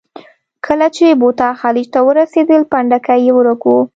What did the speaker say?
کله چې بوتا خلیج ته ورسېدل، پنډکی یې ورک و.